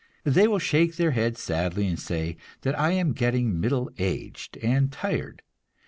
They will shake their heads sadly and say that I am getting middle aged and tired.